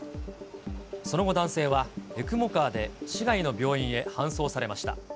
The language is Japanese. その後、男性はＥＣＭＯカーで市内の病院へ搬送されました。